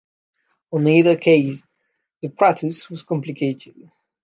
In either case, the process was complicated.